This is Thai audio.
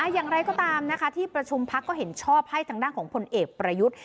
อย่างไรก็ตามนะคะที่ประชุมพักก็เห็นชอบให้ทางด้านของพลเอกประยุทธ์